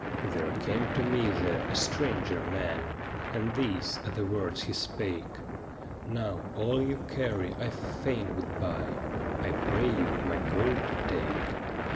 ' There came to me there a stranger man, And these are the words he spake :" Now, all you carry I fain would buy, I pray you my gold to take."